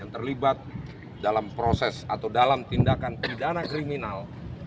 yang terlibat dalam proses atau dalam tindakan pidana kriminal